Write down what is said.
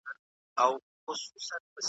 بیا به کله راسي، وايي بله ورځ ,